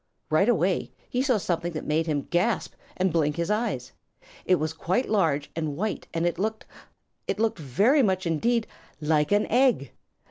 Right away he saw something that made him gasp and blink his eyes. It was quite large and white, and it looked it looked very much indeed like an egg!